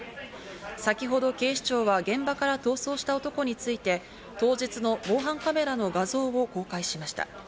先ほど、警視庁は現場から逃走した男について当日の防犯カメラの画像を公開しました。